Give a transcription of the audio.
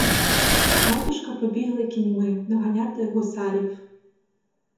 Батюшка побігли кіньми доганяти гусарів.